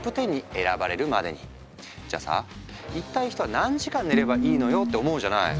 じゃあさ「一体人は何時間寝ればいいのよ！」って思うじゃない？